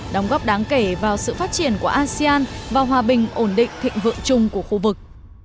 đóng góp đáng kể vào sự phát triển của asean và hòa bình ổn định thịnh vượng chung của khu vực